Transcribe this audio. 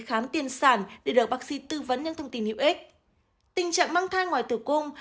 khám tiên sản để được bác sĩ tư vấn những thông tin hữu ích tình trạng mang thai ngoài tử cung